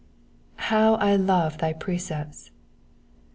w I love thy precepts.'